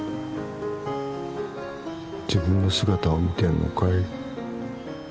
自分の姿を見てるのかい？